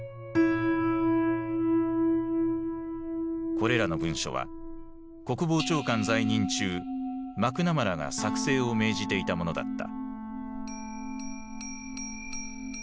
これらの文書は国防長官在任中マクナマラが作成を命じていたものだった。